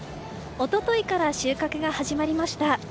一昨日から収穫が始まりました。